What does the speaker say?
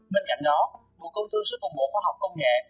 bên cạnh đó một công thư sử dụng mẫu khoa học công nghệ